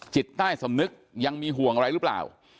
จิตใต้สำนึกยังมีห่วงอะไรหรือเปล่า